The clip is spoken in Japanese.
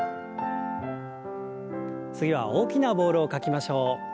次は大きなボールを描きましょう。